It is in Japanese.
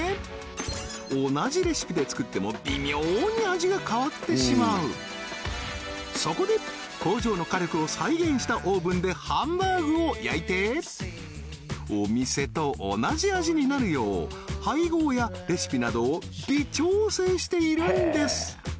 この日行われていたのはそうそこで工場の火力を再現したオーブンでハンバーグを焼いてお店と同じ味になるよう配合やレシピなどを微調整しているんです